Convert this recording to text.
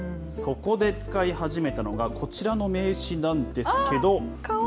そこで使い始めたのが、こちらの名刺なんですけど。